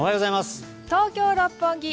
東京・六本木